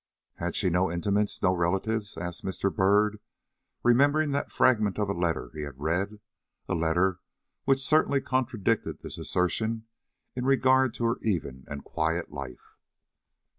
"Had she no intimates, no relatives?" asked Mr. Byrd, remembering that fragment of a letter he had read a letter which certainly contradicted this assertion in regard to her even and quiet life.